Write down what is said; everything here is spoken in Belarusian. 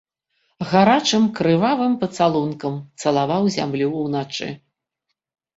Гарачым крывавым пацалункам цалаваў зямлю ўначы.